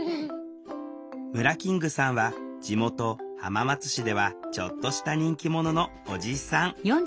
ムラキングさんは地元浜松市ではちょっとした人気者のおじさん。